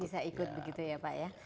bisa ikut begitu ya pak ya